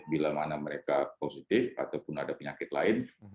bila mana mereka positif ataupun ada penyakit lain